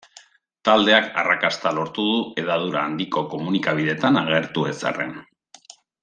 Taldeak arrakasta lortu du hedadura handiko komunikabideetan agertu ez arren.